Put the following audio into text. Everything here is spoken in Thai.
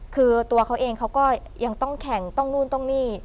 คือตัวเขาเองเขาก็ยังต้องแข่งต้องนู่นต้องนี่